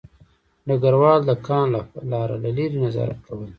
ډګروال د کان لاره له لیرې نظارت کوله